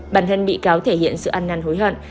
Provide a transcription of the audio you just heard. bản thân bị cáo thể hiện sự ăn năn hối hận